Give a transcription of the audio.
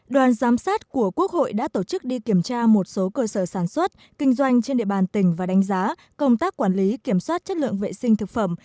đoàn giám sát của quốc hội đã tổ chức đi kiểm tra một số cơ sở sản xuất kinh doanh trên địa bàn tỉnh và đánh giá công tác quản lý kiểm soát chất lượng vệ sinh thực phẩm